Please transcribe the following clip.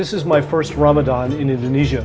ini adalah ramadan pertama saya di indonesia